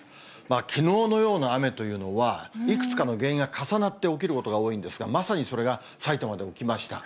きのうのような雨というのは、いくつかの原因が重なって起きることが多いんですが、まさにそれが埼玉で起きました。